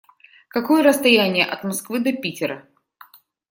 Какое расстояние от Москвы до Питера?